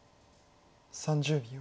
３０秒。